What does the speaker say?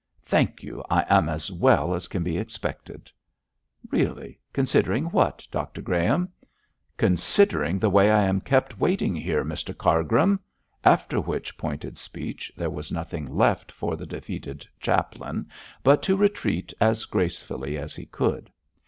'Thank you; I am as well as can be expected.' 'Really! considering what, Dr Graham?' 'Considering the way I am kept waiting here, Mr Cargrim,' after which pointed speech there was nothing left for the defeated chaplain but to retreat as gracefully as he could.